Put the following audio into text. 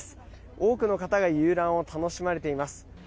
多くの方が遊覧を楽しまれています。